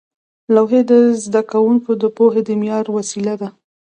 لوحې د زده کوونکو د پوهې د معیار وسیله وې.